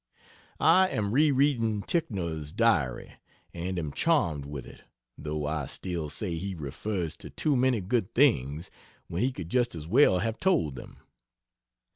I am re reading Ticknor's diary, and am charmed with it, though I still say he refers to too many good things when he could just as well have told them.